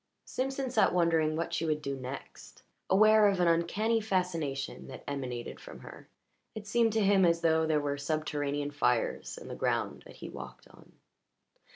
Simpson sat wondering what she would do next, aware of an uncanny fascination that emanated from her. It seemed to him as though there were subterranean fires in the ground that he walked on.